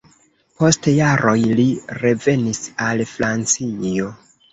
Post jaroj li revenis al Francio.